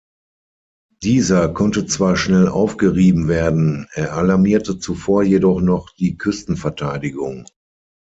Dieser konnte zwar schnell aufgerieben werden, er alarmierte zuvor jedoch noch die Küstenverteidigung.